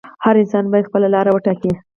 هر انسان باید خپله لاره وټاکي.